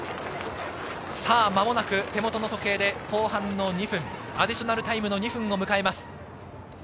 間もなく手元の時計で後半の２分、アディショナルタイムの２分を迎えます。